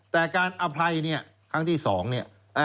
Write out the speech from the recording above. แต่การอภัยเนี่ยครั้งที่๒เนี่ย